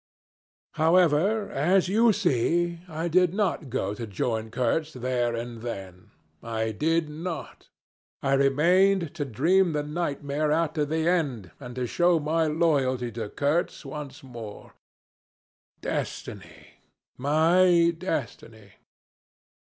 "However, as you see, I did not go to join Kurtz there and then. I did not. I remained to dream the nightmare out to the end, and to show my loyalty to Kurtz once more. Destiny. My destiny!